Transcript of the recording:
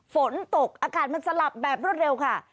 ฝนตกอากาศมันสลับแบบรวดเร็วค่ะ